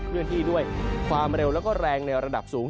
เลื่อนที่ด้วยความเร็วแล้วก็แรงในระดับสูง